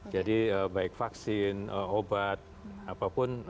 jadi baik vaksin obat apapun